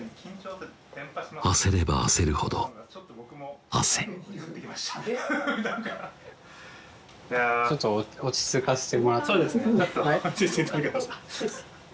焦れば焦るほど汗いやちょっと落ち着かせてもらってそうですね